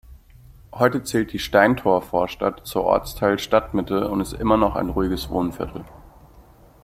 Heute zählt die Steintor-Vorstadt zur Ortsteil Stadtmitte und ist immer noch ein ruhiges Wohnviertel.